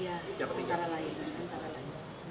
iya antara antara lain